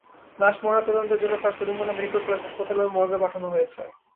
লাশ ময়নাতদন্তের জন্য স্যার সলিমুল্লাহ মেডিকেল কলেজ হাসপাতাল মর্গে পাঠানো হয়েছে।